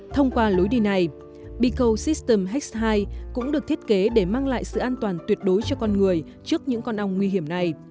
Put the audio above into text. thông qua lối đi này bico system hex hai cũng được thiết kế để mang lại sự an toàn tuyệt đối cho con người trước những con ong nguy hiểm này